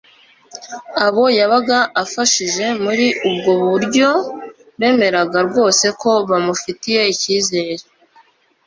Abo yabaga afashije muri ubwo buryo bemeraga rwose ko bamufitiye icyizere,